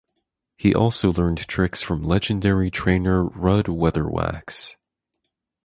He also learned tricks from legendary trainer Rudd Weatherwax.